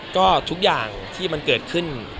ก็ทุกอย่างที่มันเกิดขึ้น